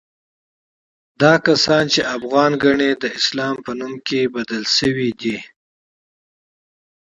دا کسان چې افغان ګڼي، د اسلام پر نوم کې بدل شوي دي.